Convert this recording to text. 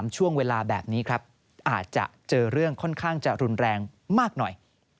ช่วงเวลาแบบนี้ครับอาจจะเจอเรื่องค่อนข้างจะรุนแรงมากหน่อย